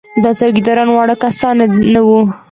دا څوکیداران واړه کسان نه وو.